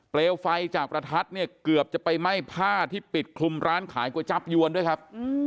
ไฟจากประทัดเนี่ยเกือบจะไปไหม้ผ้าที่ปิดคลุมร้านขายก๋วยจับยวนด้วยครับ